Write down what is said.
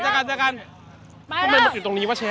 ไปแล้วทำไมมันอยู่ตรงนี้ว่ะเชฟ